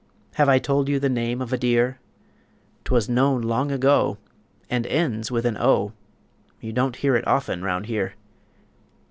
Have I told you the name of a dear? 'Twas known long ago, And ends with an O; You don't hear it often round here.